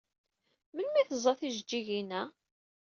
Melmi ay teẓẓa tijeǧǧigin-a?